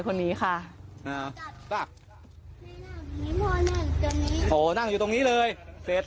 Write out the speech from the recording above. คนนี้ค่ะเอาจัดไม่นั่งอยู่ตรงนี้พ่อนั่งอยู่ตรงนี้โห